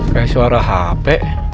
kayak suara hp